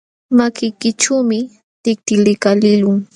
Makiykićhuumi tikti likaliqlun.